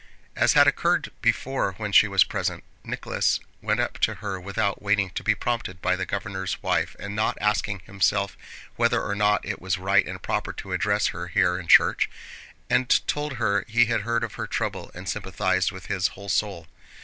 As had occurred before when she was present, Nicholas went up to her without waiting to be prompted by the governor's wife and not asking himself whether or not it was right and proper to address her here in church, and told her he had heard of her trouble and sympathized with his whole soul.